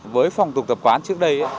với phòng tục tập quán trước đây